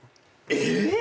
えっ！？